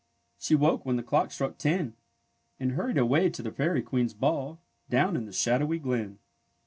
She woke when the clock struck ten, And hurried away to the fairy queen's ball, Down in the shadowy glen.